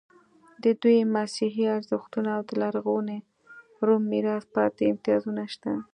د دوی مسیحي ارزښتونه او د لرغوني روم میراث پاتې امتیازونه شته.